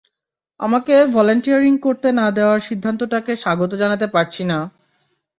আমাকে ভলান্টিয়ারিং করতে না দেওয়ার সিদ্ধান্তটাকে স্বাগত জানাতে পারছি না!